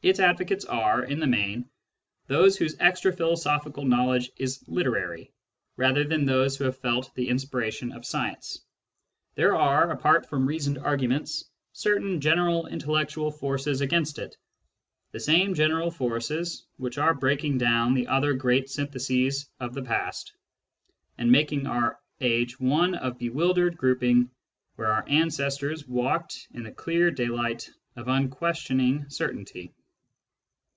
Its advocates are, in the main, those whose extra philosophical knowledge is literary, rather than those who have felt the inspiration of science. There are, apart from reasoned arguments, certain general intellectual forces against it — the same general forces which are breaking down the other great syntheses of the past, and niaking our age one of bewildered groping where our ancestors walked in the clear daylight of unquestioning certainty.